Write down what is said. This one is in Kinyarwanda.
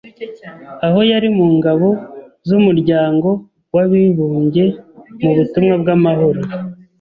Aho yari mu ngabo z’ umuryango wa bibumbye mu butumwa bw’amahoro